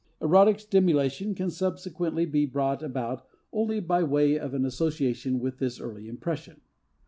Erotic stimulation can subsequently be brought about only by way of an association with this early impression.